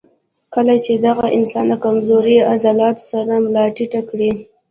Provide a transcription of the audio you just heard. کله چې دغه انسان د کمزوري عضلاتو سره ملا ټېټه کړي